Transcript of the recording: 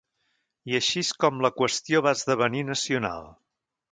I així és com la qüestió va esdevenir nacional.